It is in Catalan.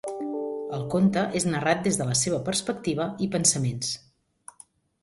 El conte és narrat des de la seva perspectiva i pensaments.